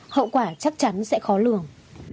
hậu quả chắc chắn sẽ khó lường